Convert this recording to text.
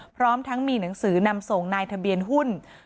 พร้อมทั้งมีหนังสือนำส่งนายทะเบียนหุ้น